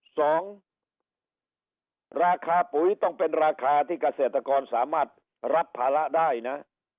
สองราคาปุ๋ยต้องเป็นราคาที่เกษตรกรสามารถรับภาระได้นะ